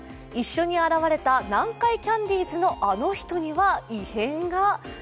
一緒に現れた南海キャンディーズのあの人には異変が。